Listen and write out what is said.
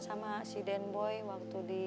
sama si den boy waktu di